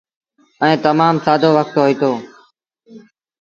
ائيٚݩ تمآم سآدو وکت هوئيٚتو۔